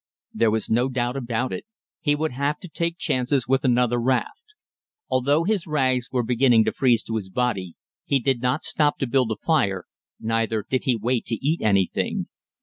There was no doubt about it, he would have to take chances with another raft. Although his rags were beginning to freeze to his body, he did not stop to build a fire, neither did he wait to eat anything.